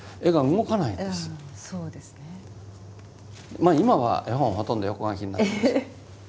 まあ今は絵本ほとんど横書きになってます。